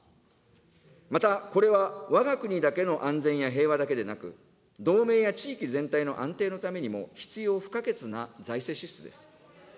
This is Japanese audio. また、これはわが国だけの安全や平和だけでなく、同盟や地域全体の安定のためにも、必要不可欠な財政支出です。